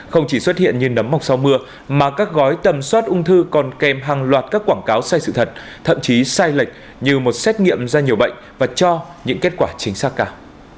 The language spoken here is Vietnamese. không chỉ xuất hiện như nấm mọc sau mưa mà các gói tầm soát ung thư còn kèm hàng loạt các quảng cáo sai sự thật thậm chí sai lệch như một xét nghiệm ra nhiều bệnh và cho những kết quả chính xác cao